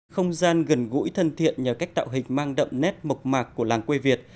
không gian gần gũi thân thiện nhờ cách tạo hình mang đậm nét mộc mạc của làng quê việt